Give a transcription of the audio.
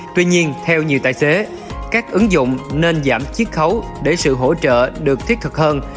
tuy nhiên theo nhiều tài xế các ứng dụng nên giảm chiết khấu để sự hỗ trợ được thiết thực hơn